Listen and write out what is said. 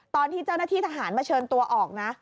ตอนที่เจ้าหน้าที่ทหารมาเชิญตัวออกนะ